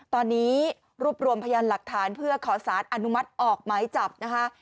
ตอนนี้รวบรวมพยานหลักฐานเพื่อขอสารอนุมัติออกหมายจับนะคะ